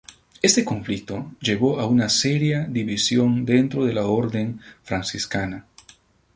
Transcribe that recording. Este conflicto llevó a una seria división dentro de la Orden franciscana.